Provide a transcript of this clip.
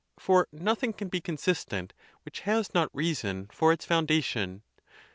For nothing can be consistent which has not reason for its foundation.